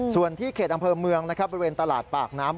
ส่วนที่เขตอำเภอเมืองนะครับบริเวณตลาดปากน้ำ